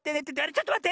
ちょっとまって！